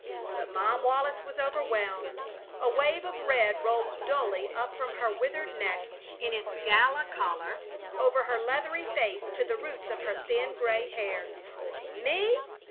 But Mom Wallis was overwhelmed. A wave of red rolled dully up from her withered neck in its gala collar over her leathery face to the roots of her thin, gray hair. "Me!